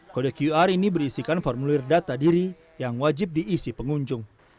kode qr ini berisikan formulir data diri yang wajib diisi pengunjung